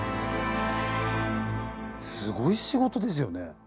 すごい仕事ですよね。